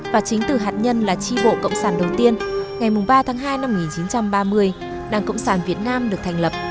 và chính từ hạt nhân là tri bộ cộng sản đầu tiên ngày ba tháng hai năm một nghìn chín trăm ba mươi đảng cộng sản việt nam được thành lập